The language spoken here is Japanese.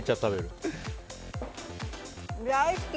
大好き！